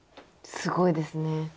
すごいですね。